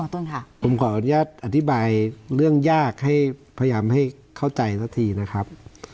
คุณหัวต้นค่ะผมขออนุญาตอธิบายเรื่องยากให้พยายามให้เข้าใจซะทีนะครับ